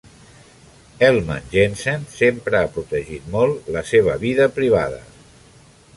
Ellemann-Jensen sempre ha protegit molt la seva vida privada.